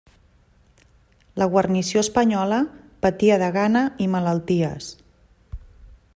La guarnició espanyola, patia de gana i malalties.